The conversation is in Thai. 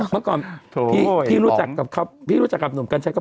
เขาก็พูดถึงเธอใหญ่เลย